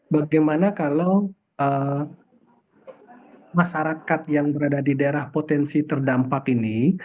bagaimana kalau masyarakat yang berada di daerah potensi terdampak ini